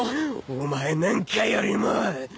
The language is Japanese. お前なんかよりも。